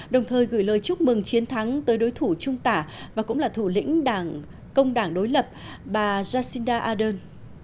đồng thời gửi lời chúc mừng chiến thắng tới đối thủ trung tả và cũng là thủ lĩnh đảng công đảng đối lập bà jacinda ardern